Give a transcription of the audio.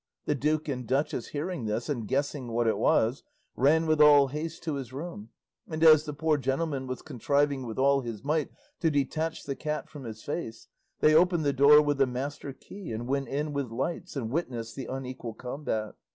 The duke and duchess hearing this, and guessing what it was, ran with all haste to his room, and as the poor gentleman was striving with all his might to detach the cat from his face, they opened the door with a master key and went in with lights and witnessed the unequal combat.